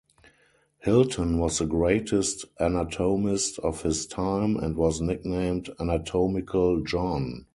Hilton was the greatest anatomist of his time, and was nicknamed Anatomical John.